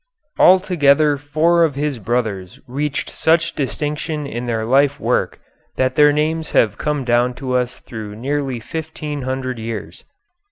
Altogether four of his brothers reached such distinction in their life work that their names have come down to us through nearly fifteen hundred years.